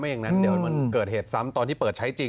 อย่างนั้นเดี๋ยวมันเกิดเหตุซ้ำตอนที่เปิดใช้จริง